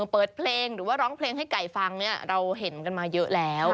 เปิดเพลงหรือว่าร้องเพลงให้ไก่ฟังเนี่ยเราเห็นกันมาเยอะแล้ว